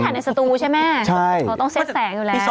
พี่ถ่ายนายสตูใช่ไหมคือต้องเซ็ดแสงอยู่แล้วเนี่ยหู